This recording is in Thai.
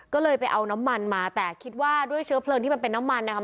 ก็เลยไปเอาน้ำมันมาแต่คิดว่าด้วยเชื้อเพลิงที่มันเป็นน้ำมันนะครับ